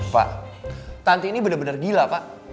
pak tanti ini benar benar gila pak